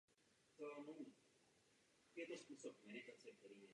Podle jiného úhlu pohledu jsou naopak považovány za oblast jako takovou.